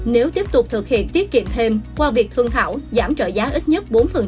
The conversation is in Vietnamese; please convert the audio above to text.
nếu tiếp tục thực hiện tiết kiệm thêm qua việc thương hảo giảm trợ giá ít nhất bốn